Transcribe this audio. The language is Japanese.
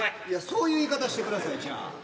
いやそういう言い方してくださいじゃあ。